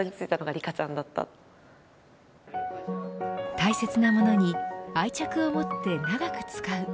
大切なものに愛着を持って長く使う。